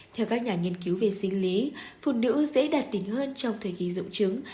theo các nhà nghiên cứu về sinh lý phụ nữ dễ đạt tình hơn trong thời kỳ dụng chứng